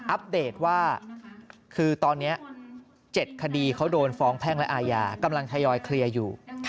อัปเดตว่าคือตอนนี้๗คดีเขาโดนฟ้องแพ่งและอาญากำลังทยอยเคลียร์อยู่